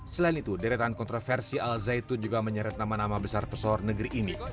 selain itu deretan kontroversi al zaitun juga menyeret nama nama besar pesohor negeri ini